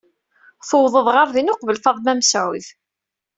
Tuwḍeḍ ɣer din uqbel Faḍma Mesɛud.